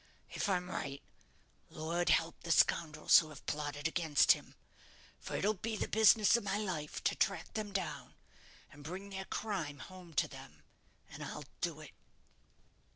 If I'm right, Lord help the scoundrels who have plotted against him, for it'll be the business of my life to track them down, and bring their crime home to them and I'll do it."